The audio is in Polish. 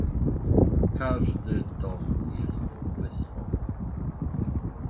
"Każdy dom jest wyspą."